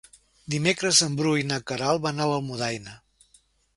Dimecres en Bru i na Queralt van a Almudaina.